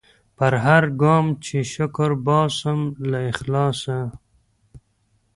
پر هرګام چي شکر باسم له اخلاصه